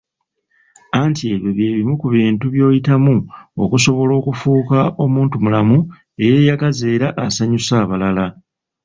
Anti ebyo bye bimu ku bintu by'oyitamu okusobala okufuuka omuntumulamu eyeeyagaza era asanyusa abalala.